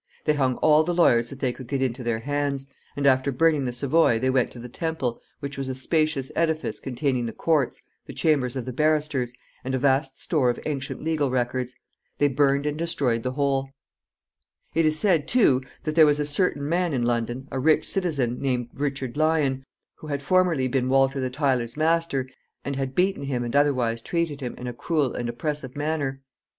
They hung all the lawyers that they could get into their hands, and after burning the Savoy they went to the Temple, which was a spacious edifice containing the courts, the chambers of the barristers, and a vast store of ancient legal records. They burned and destroyed the whole. It is said, too, that there was a certain man in London, a rich citizen, named Richard Lyon, who had formerly been Walter the Tiler's master, and had beaten him and otherwise treated him in a cruel and oppressive manner.